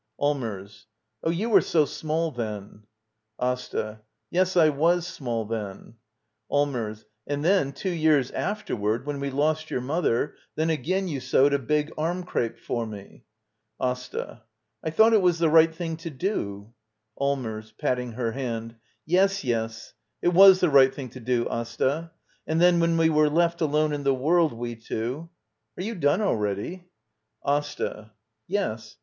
Allmers. Oh, you were so small then. AsTA. Yes, I was small then. Allmers. And then, two years afterward — 53 Digitized by VjOOQIC LITTLE EYOLF « Act ii. when wc lost your mother — then again you sewed a big arm crepe for me. AsTA. I thought it was the right thing to do. Allmers. [Patting her hand.] Yes, yes; it was the right thing to do, Asta. — And then when we were left alone in the world, we two — Are you done already? Asta. Yes.